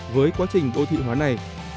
với quá trình đô thị hóa này